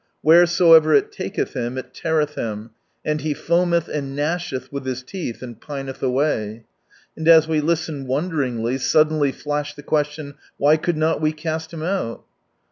" Wheresoever it taketh him, it teareth him ; and he foameth and gnasheth with his teeth and pinelh away." And as we listened wonderingly, suddenly flashed the question, " Why could not we cast him out